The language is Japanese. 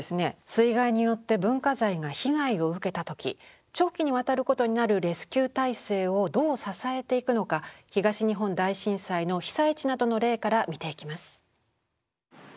水害によって文化財が被害を受けた時長期にわたることになるレスキュー体制をどう支えていくのか東日本大震災の被災地などの例から見ていきます。